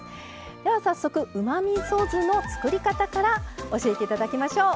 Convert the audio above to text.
では早速うまみそ酢の作り方から教えていただきましょう。